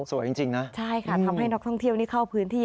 สวยจริงนะใช่ค่ะทำให้นักท่องเที่ยวนี่เข้าพื้นที่